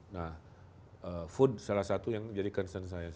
nah food salah satu yang menjadi concern saya